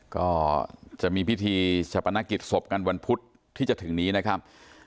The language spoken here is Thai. ก็จะมีพิธีชะปนกิจศพกันวันพุธที่จะถึงนี้นะครับ